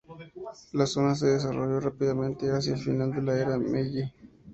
La zona se desarrolló rápidamente hacia el final de la era Meiji.